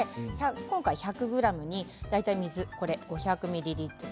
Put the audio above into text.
今回１００ｇに大体水が５００ミリリットル